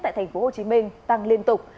tại thành phố hồ chí minh tăng liên tục